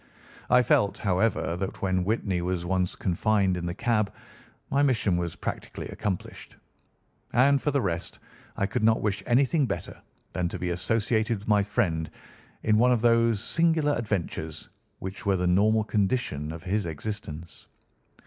I felt, however, that when Whitney was once confined in the cab my mission was practically accomplished; and for the rest, I could not wish anything better than to be associated with my friend in one of those singular adventures which were the normal condition of his existence.